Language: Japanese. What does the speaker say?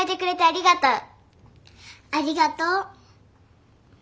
ありがとう。